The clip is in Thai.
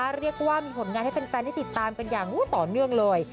เรียกว่ามีผลงานให้แฟนได้ติดตามกันอย่างต่อเนื่องเลย